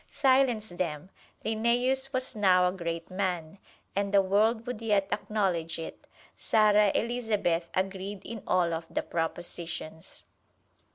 Silence them Linnæus was now a great man, and the world would yet acknowledge it. Sara Elizabeth agreed in all of the propositions.